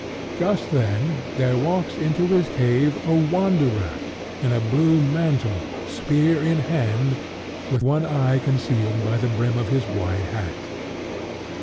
Just then there walks into his cave a Wanderer, in a blue mantle, spear in hand, with one eye concealed by the brim of his wide hat.